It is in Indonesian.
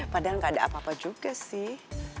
padahal gak ada apa apa juga sih